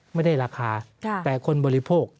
ไม่ได้ราคาแต่คนบริโภค